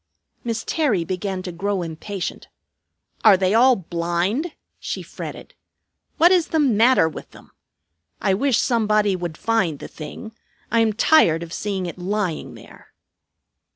Miss Terry began to grow impatient. "Are they all blind?" she fretted. "What is the matter with them? I wish somebody would find the thing. I am tired of seeing it lying there."